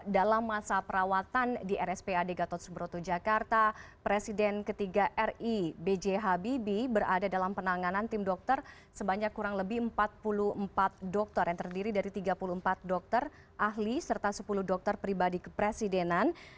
dalam masa perawatan di rspad gatot subroto jakarta presiden ketiga ri b j habibie berada dalam penanganan tim dokter sebanyak kurang lebih empat puluh empat dokter yang terdiri dari tiga puluh empat dokter ahli serta sepuluh dokter pribadi kepresidenan